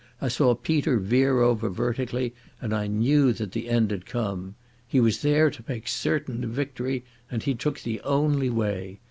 I saw Peter veer over vertically and I knew that the end had come. He was there to make certain of victory and he took the only way.